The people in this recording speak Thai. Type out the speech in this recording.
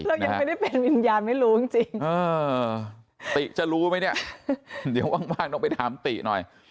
เรายังไม่ได้เป็นวิญญาณไม่รู้จริงติจะรู้ไหมเนี่ยเดี๋ยวว่างต้องไปถามติหน่อย